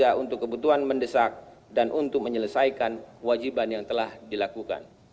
ya untuk kebutuhan mendesak dan untuk menyelesaikan wajiban yang telah dilakukan